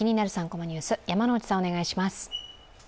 ３コマニュース」、山内さん、お願いします。